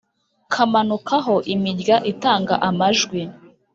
kamanukaho imirya itanga amajwi.